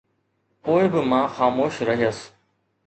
پوءِ به مان خاموش رهيس